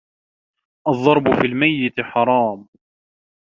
الضرب في الميت حرام